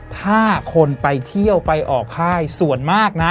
ถ้าคนไปเที่ยวไปออกค่ายส่วนมากนะ